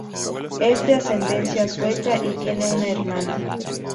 Es de ascendencia sueca y tiene una hermana.